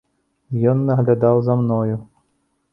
Ён наглядаў за мною.